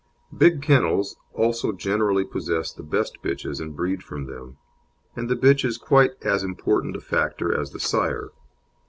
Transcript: Big kennels also generally possess the best bitches and breed from them, and the bitch is quite as important a factor as the sire.